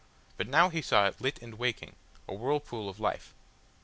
But now he saw it lit and waking, a whirlpool of life.